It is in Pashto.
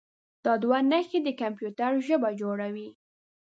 دا دوه نښې د کمپیوټر ژبه جوړوي.